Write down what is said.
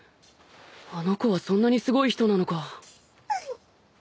あの子はそんなにすごい人なのか。